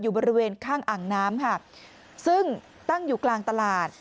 อยู่บริเวณข้างอังน้ำซึ่งตั้งอยู่กลางตลาด